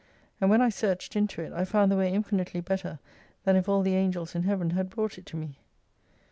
And when I searched into it, I found the Way infmitely better than if all the Angels in Heaven had brought it to me.